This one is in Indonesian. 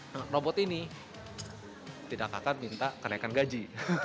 nah robot ini tidak akan minta kenaikan gaji